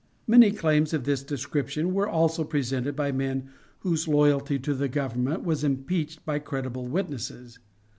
Many claims of this description were also presented by men whose loyalty to the Government was impeached by credible witnesses.